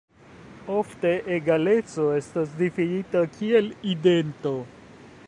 Ofte egaleco estas difinita kiel idento.